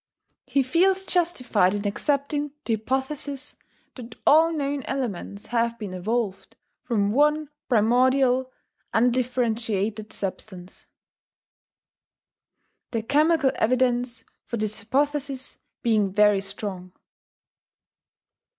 He feels justified in accepting the hypothesis that all known elements have been evolved from one primordial undifferentiated substance, the chemical evidence for this hypothesis being very strong.